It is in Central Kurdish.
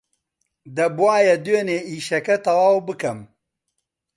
دەبووایە دوێنێ ئیشەکە تەواو بکەم.